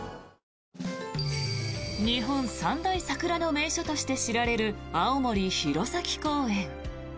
日本三大桜の名所として知られる青森・弘前公園。